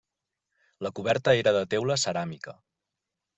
La coberta era de teula ceràmica.